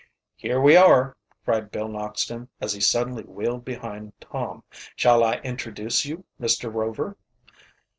"Here we are," cried Bill Noxton, as he suddenly wheeled behind Tom. "Shall I introduce you, Mr. Rover?"